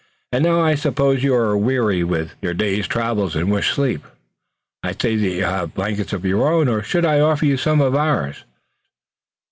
And now I suppose you are weary with your day's travels and wish sleep. I see that you have blankets of your own or I should offer you some of ours."